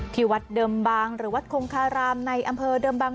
ที่วัดเดิมบางหรือวัดคงคารามในอำเภอเดิมบาง